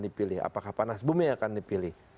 dipilih apakah panas bumi akan dipilih